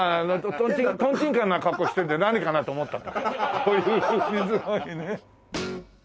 とんちんかんな格好してて何かなと思ったと。